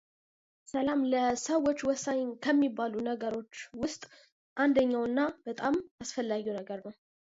Agganis' family origins were from Longanikos near Sparta, Greece.